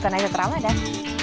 tuan tuan terima kasih